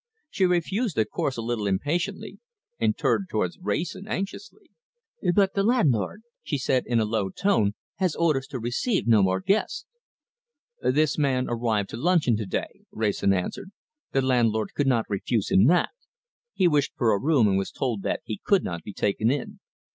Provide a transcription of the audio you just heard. She refused a course a little impatiently, and turned towards Wrayson anxiously. "But the landlord," she said in a low tone, "has orders to receive no more guests." "This man arrived to luncheon to day," Wrayson answered. "The landlord could not refuse him that. He wished for a room and was told that he could not be taken in."